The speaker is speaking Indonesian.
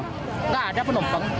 nggak ada penumpang